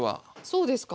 そうですか？